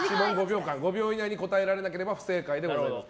５秒以内に答えられなければ不正解でございます。